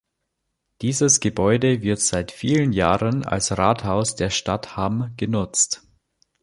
Dieses Gebäude wird seit vielen Jahren als Rathaus der Stadt Hamm genutzt.